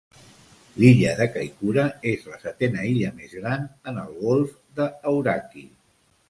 L'illa de Kaikoura és la setena illa més gran en el golf de Hauraki.